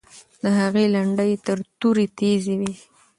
د هغې لنډۍ تر تورې تیزې وې.